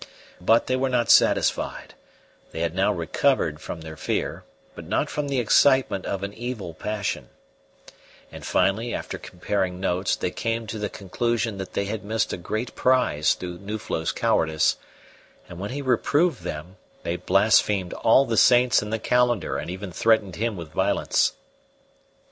But they were not satisfied: they had now recovered from their fear, but not from the excitement of an evil passion; and finally, after comparing notes, they came to the conclusion that they had missed a great prize through Nuflo's cowardice; and when he reproved them they blasphemed all the saints in the calendar and even threatened him with violence.